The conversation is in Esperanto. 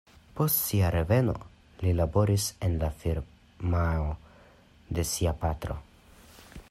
Post sia reveno li laboris en la firmao de sia patro.